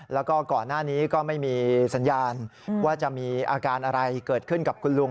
แล้วก็ก่อนหน้านี้ก็ไม่มีสัญญาณว่าจะมีอาการอะไรเกิดขึ้นกับคุณลุง